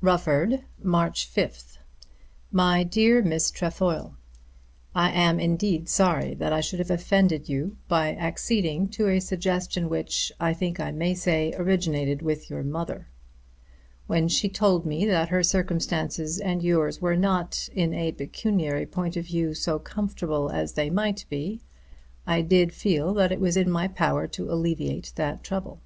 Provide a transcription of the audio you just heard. Rufford, March 5th. MY DEAR MISS TREFOIL, I am indeed sorry that I should have offended you by acceding to a suggestion which, I think I may say, originated with your mother. When she told me that her circumstances and yours were not in a pecuniary point of view so comfortable as they might be, I did feel that it was in my power to alleviate that trouble.